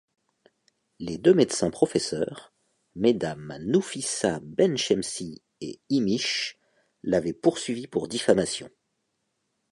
Les deux médecins professeurs, Mmes Noufissa Benchemsi et Himmich, l'avaient poursuivi pour diffamation.